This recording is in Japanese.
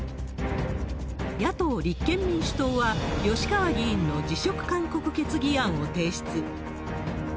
野党・立憲民主党は、吉川議員の辞職勧告決議案を提出。